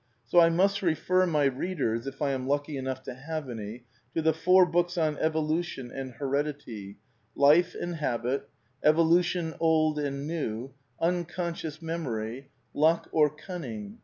So I must refer my readers (if I am lucky enough to have any) to the four books on evolution and heredity : Life and Habit, Evolution Old and New, Vn consciovs Memory, Luck or Cunning?